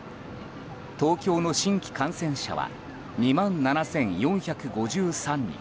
東京の新規感染者は２万７４５３人。